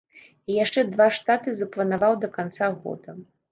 І яшчэ два штаты запланаваў да канца года.